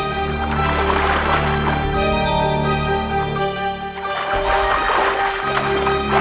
nyai inilah nyai